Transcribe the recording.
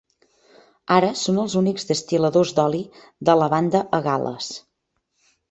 Ara són els únics destil·ladors d'oli de lavanda a Gal·les.